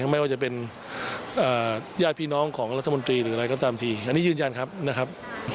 ไม่ว่าจะเป็นญาติพี่น้องของรัฐมนตรีหรืออะไรก็ตามทีอันนี้ยืนยันครับนะครับ